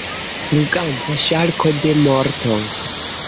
Fluganta ŝarko de morto!